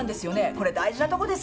これ大事なとこですよ。